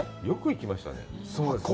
よく行きましたね。